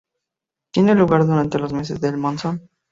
Tiene lugar durante los meses del monzón.